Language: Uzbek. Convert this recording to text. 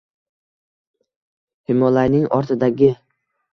Himolayning ortidagi